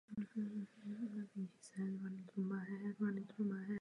Po nástupu komunistů k moci byla katedrála římskokatolické církvi ze správy odebrána.